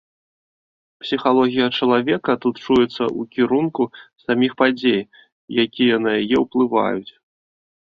Псіхалогія чалавека тут чуецца ў кірунку саміх падзей, якія на яе ўплываюць.